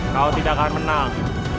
kau tidak akan menang